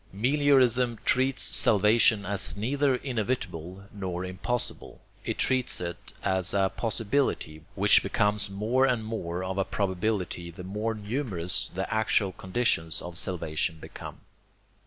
Meliorism treats salvation as neither inevitable nor impossible. It treats it as a possibility, which becomes more and more of a probability the more numerous the actual conditions of salvation become.